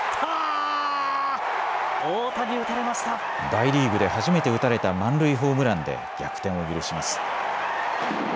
大リーグで初めて打たれた満塁ホームランで逆転を許します。